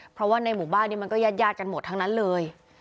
เพราะว่าในหมู่บ้านนี้มันก็ญาติกันหมดทั้งนั้นเลย